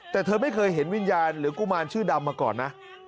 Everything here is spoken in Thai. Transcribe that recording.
แต่เธอไม่เคยเห็นวิญญาณหรือกุมารชื่อดำมาก่อนนะ